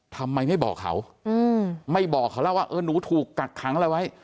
ทำไมไม่บอกเขาไม่บอกเขาแล้วว่าเออหนูถูกกักขังอะไรไว้